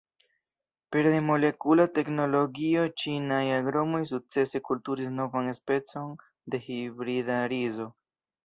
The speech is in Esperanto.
Pere de molekula teknologio ĉinaj agronomoj sukcese kulturis novan specon de hibrida rizo.